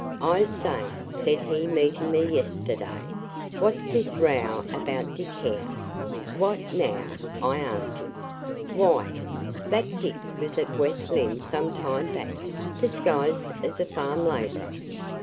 'I say,' said he meeting me yesterday, 'what's this row about Dick Hare?' 'What now?' I asked him. 'Why, that Dick was at West Lynne some time back, disguised as a farm laborer.